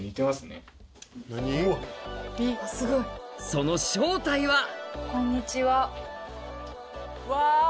その正体はこんにちは。